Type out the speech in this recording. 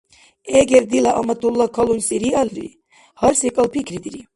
Эгер дила Аматулла калунси риалри, гьар секӀал пикридири.